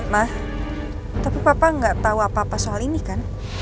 nah tapi papa nggak tahu apa apa soal ini kan